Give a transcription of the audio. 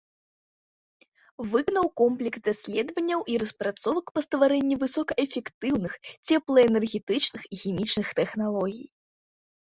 Выканаў комплекс даследаванняў і распрацовак па стварэнні высокаэфектыўных цеплаэнергетычных і хімічных тэхналогій.